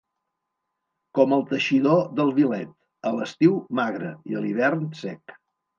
Com el teixidor del Vilet: a l'estiu, magre, i a l'hivern, sec.